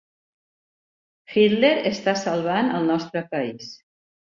Hitler està salvant el nostre país.